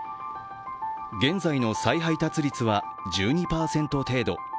現在の再配達率は１２％程度。